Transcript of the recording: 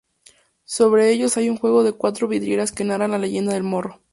Sobre ellos hay un juego de cuatro vidrieras que narran la leyenda del moro.